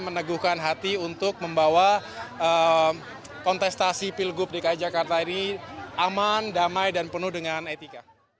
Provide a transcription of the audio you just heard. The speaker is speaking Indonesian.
meneguhkan hati untuk membawa kontestasi pilgub dki jakarta ini aman damai dan penuh dengan etika